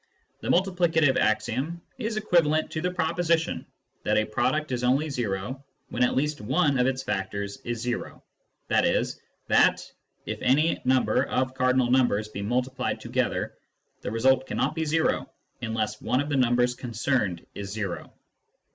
The multiplicative axiom is equivalent to the proposition that a product is only zero when at least one of its factors is zero ; i.e. that, if any number of cardinal numbers be multiplied together, the result cannot be o unless one of the numbers concerned is o.